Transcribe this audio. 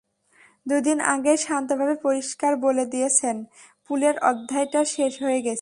দুই দিন আগেই শান্তভাবে পরিষ্কার বলে দিয়েছেন, পুলের অধ্যায়টা শেষ হয়ে গেছে।